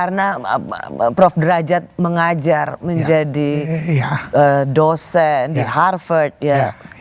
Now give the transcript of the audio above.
karena prof derajat mengajar menjadi dosen di harvard ya